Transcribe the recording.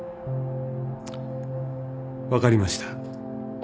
分かりました